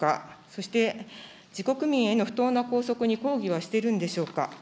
そして自国民への不当な拘束に抗議はしてるんでしょうか。